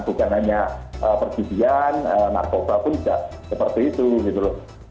bukan hanya pergibian narkoba pun tidak seperti itu